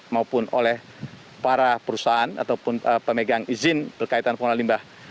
maupun oleh para perusahaan ataupun pemegang izin berkaitan pengelola limbah